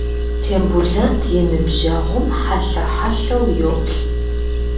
Тембулэт и ныбжьэгъум хьэлъэ-хьэлъэу йоплъ.